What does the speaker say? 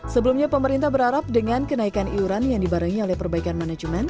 sebelumnya pemerintah berharap dengan kenaikan iuran yang dibarengi oleh perbaikan manajemen